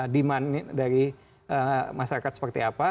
demand dari masyarakat seperti apa